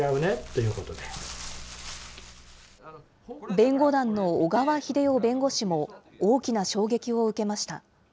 弁護団の小川秀世弁護士も大きな衝撃を受けました。